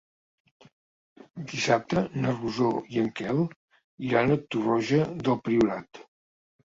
Dissabte na Rosó i en Quel iran a Torroja del Priorat.